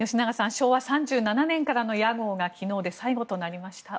昭和３７年からの屋号が昨日で最後となりました。